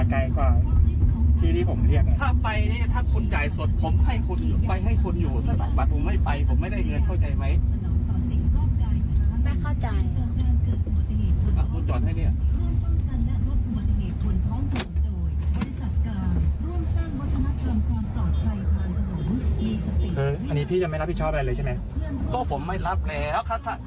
เฮ้ออันนี้พี่ยังไม่รับผิดชอบอะไรเลยใช่ไหมก็ผมไม่รับเลยแล้วค่ะ